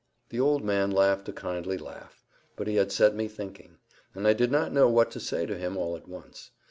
The old man laughed a kindly laugh; but he had set me thinking, and I did not know what to say to him all at once.